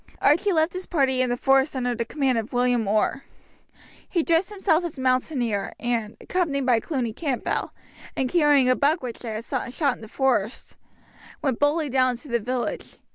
Archie left his party in the forest under the command of William Orr. He dressed himself as a mountaineer, and, accompanied by Cluny Campbell, and carrying a buck which they had shot in the forest, went boldly down into the village.